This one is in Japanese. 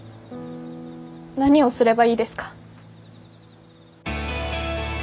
何をすればいいですか？